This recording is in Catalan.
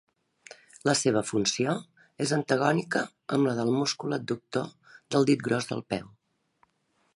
La seva funció és antagònica amb la del múscul adductor del dit gros del peu.